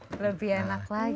lebih enak lagi